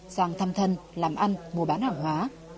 sang thăm thân làm ăn mua bán hàng hóa